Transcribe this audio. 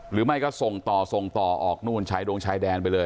หรือไม่ก็ส่งต่อส่งต่อออกนู่นชายดงชายแดนไปเลย